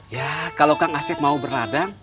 ya kalau kang asep mau berladang